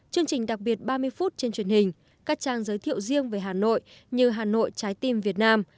chương trình đặc biệt ba mươi phút trên truyền hình các trang giới thiệu riêng về hà nội như hà nội trái tim việt nam